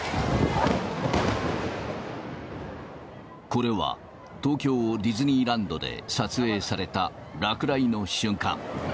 これは、東京ディズニーランドで撮影された落雷の瞬間。